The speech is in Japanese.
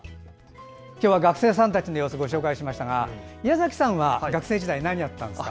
今日は学生さんたちの様子ご紹介しましたが矢崎さんは学生時代に何やってたんですか？